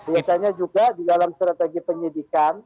biasanya juga di dalam strategi penyidikan